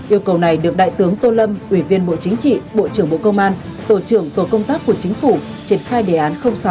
yêu cầu này được đại tướng tô lâm ủy viên bộ chính trị bộ trưởng bộ công an tổ trưởng tổ công tác của chính phủ triển khai đề án sáu